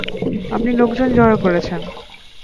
আপনি লোকজন জড়ো করেছেন।